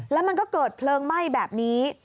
แล้วมันก็เกิดเพลิงไหม้แบบนี้